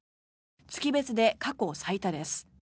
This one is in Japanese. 月別で過去最多です。